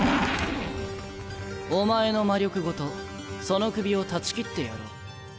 お前の魔力ごとその首を断ち切ってやろう。